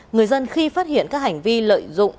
người dân khi phát hiện các hành vi lợi dụng